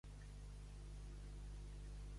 Gasta segons tingues i és segur no t'arruïnes.